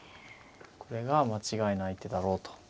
これが間違いない手だろうと。